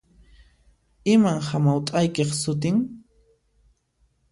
Iman hamawt'aykiq sutin?